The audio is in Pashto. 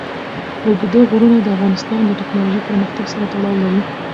اوږده غرونه د افغانستان د تکنالوژۍ پرمختګ سره تړاو لري.